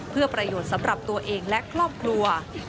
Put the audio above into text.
เพื่อประโยชน์สำหรับตัวเองและครอบครัว